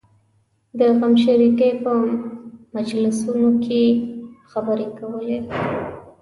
د غمشریکۍ په مجلسونو کې یې خبرې کولې.